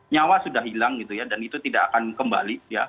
nyawa sudah hilang gitu ya dan itu tidak akan kembali